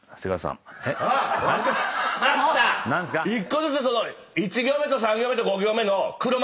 １個ずつその１行目と３行目と５行目の。